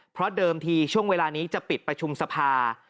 เพราะเดิมทีช่วงเวลานี้จะปิดประชุมสภา